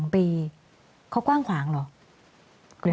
๒ปีเขากว้างขวางเหรอ